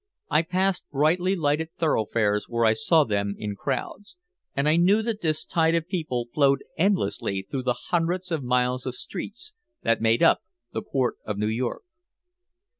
I passed brightly lighted thoroughfares where I saw them in crowds, and I knew that this tide of people flowed endlessly through the hundreds of miles of streets that made up the port of New York.